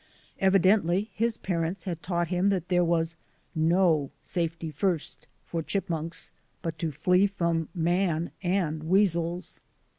Evidently his parents had taught him that there was no "safety first" for chipmunks but to flee from man and weasels.